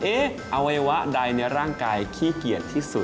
อวัยวะใดในร่างกายขี้เกียจที่สุด